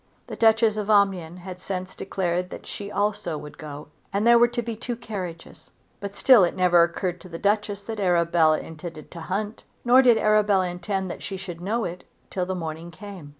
The Duchess of Omnium had since declared that she also would go, and there were to be two carriages. But still it never occurred to the Duchess that Arabella intended to hunt. Nor did Arabella intend that she should know it till the morning came.